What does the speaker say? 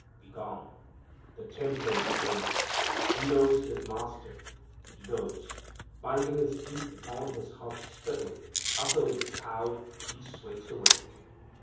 Begone! The tempter obeys. He knows his master. He goes. Biting his teeth upon his hot spittle, utterly cowed, he slinks away.